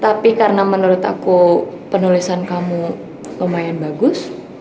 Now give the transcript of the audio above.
tapi karena menurut aku penulisan kamu lumayan bagus